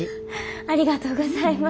ありがとうございます。